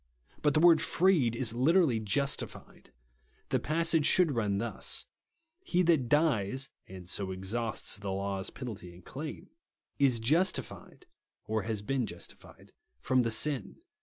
But the word "freed" is literally "justified." The passage should run thus, " He that dies (and so exhausts the law's penalty and claim) is justified (or has heen justified) from the sin."